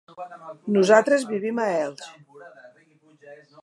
Nosaltres vivim a Elx.